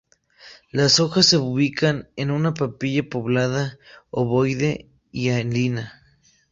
Las hojas se ubican en una papila poblada ovoide, hialina.